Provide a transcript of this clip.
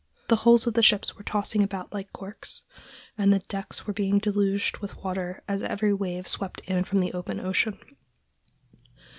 The hulls of the ships were tossing about like corks, and the decks were being deluged with water as every wave swept in from the open ocean.